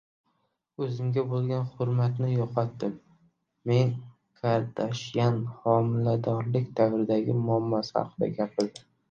“O‘zimga bo‘lgan hurmatni yo‘qotdim”: Kim Kardashyan homiladorlik davridagi muammosi haqida gapirdi